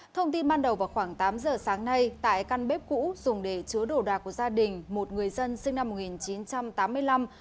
thông tin ban đầu vào khoảng tám giờ sáng nay tại căn bếp cũ dùng để chứa đồ đạc của gia đình một người dân sinh năm một nghìn chín trăm tám mươi năm